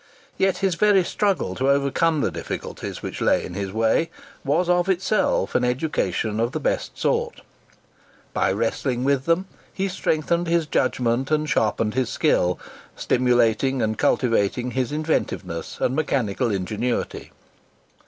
Yet his very struggle to overcome the difficulties which lay in his way, was of itself an education of the best sort. By wrestling with them, he strengthened his judgment and sharpened his skill, stimulating and cultivating his inventiveness and mechanical ingenuity.